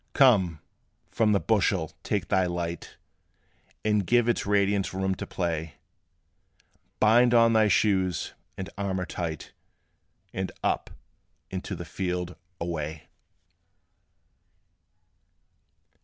Come! from the bushel take thy light, And give its radiance room to play; Bind on thy shoes and armor tight, And up, and to the field away!